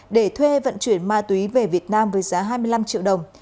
để thuê vận chuyển ma túy về việt nam với giá hai mươi năm triệu đồng